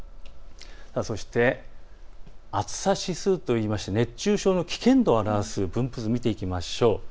そして暑さ指数といいまして熱中症の危険度を表す分布図を見てみましょう。